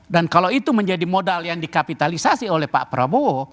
dan kalau itu menjadi modal yang dikapitalisasi oleh pak prabowo